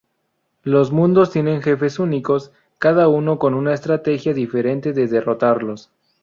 Los mundos tienen jefes únicos, cada uno con una estrategia diferente de derrotarlos.